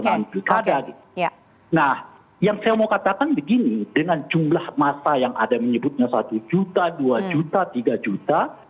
nah yang saya mau katakan begini dengan jumlah masa yang ada menyebutnya satu juta dua juta tiga juta